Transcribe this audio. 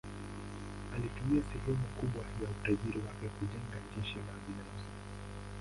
Alitumia sehemu kubwa ya utajiri wake kujenga jeshi la binafsi.